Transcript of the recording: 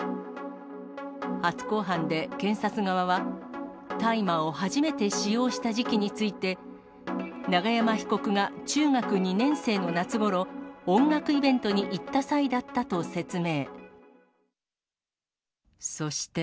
初公判で検察側は、大麻を初めて使用した時期について、永山被告が中学２年生の夏ごろ、音楽イベントに行った際だったと説明。